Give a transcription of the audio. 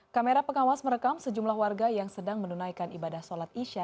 kamera pengawas merekam sejumlah warga yang sedang menunaikan ibadah sholat isya